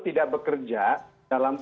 tidak bekerja dalam